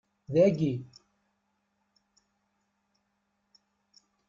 Dagi.